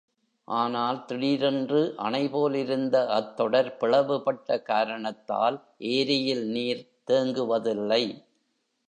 ஆனால், திடீரென்று அணைபோல் இருந்த அத் தொடர் பிளவுபட்ட காரணத்தால் ஏரியில் நீர் தேங்குவதில்லை.